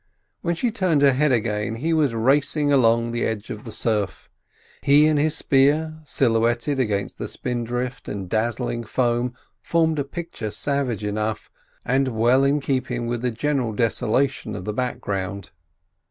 When she turned her head again he was racing along the edge of the surf. He and his spear silhouetted against the spindrift and dazzling foam formed a picture savage enough, and well in keeping with the general desolation of the background.